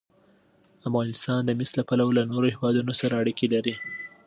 افغانستان د مس له پلوه له نورو هېوادونو سره اړیکې لري.